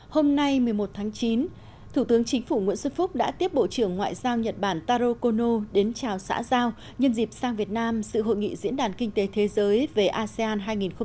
hôm nay một mươi một tháng chín thủ tướng chính phủ nguyễn xuân phúc đã tiếp bộ trưởng ngoại giao nhật bản taro kono đến chào xã giao nhân dịp sang việt nam sự hội nghị diễn đàn kinh tế thế giới về asean hai nghìn hai mươi